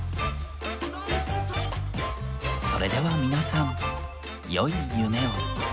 それでは皆さん良い夢を！